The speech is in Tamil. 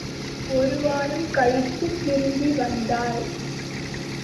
ஒருவாரம் கழித்துத் திரும்பி வந்தாள்.